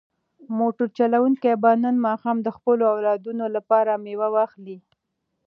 موټر چلونکی به نن ماښام د خپلو اولادونو لپاره مېوه واخلي.